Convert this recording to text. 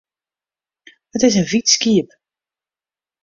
It is in wyt skiep.